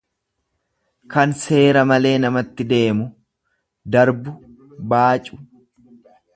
kan seera malee namatti deemu, darbu, baacu.